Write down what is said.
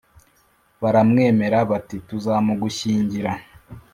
Baramwemerera bati: "Tuzamugushyingira."